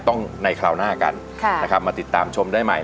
ต้องในคราวหน้ากันนะครับมาติดตามชมได้ใหม่